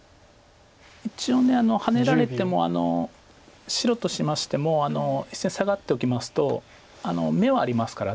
一応ハネられても白としましても１線サガっておきますと眼はありますから。